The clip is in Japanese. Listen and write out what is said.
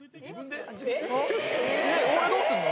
え、俺どうすんの？